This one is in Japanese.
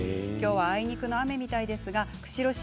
あいにくの雨みたいですが釧路市